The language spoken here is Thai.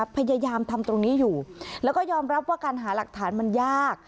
พยายามทำตรงนี้อยู่แล้วก็ยอมรับว่าการหาหลักฐานมันยาก